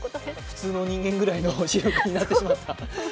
普通の人間ぐらいの視力になってしまったと。